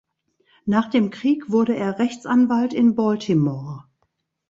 Nach dem Krieg wurde er Rechtsanwalt in Baltimore.